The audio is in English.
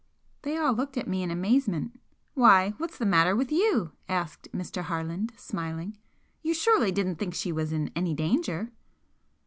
They all looked at me in amazement. "Why, what's the matter with you?" asked Mr. Harland, smiling. "You surely didn't think she was in any danger?"